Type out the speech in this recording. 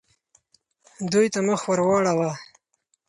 دوی ته مخ ورواړوه.